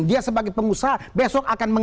dia sebagai pengusaha besok akan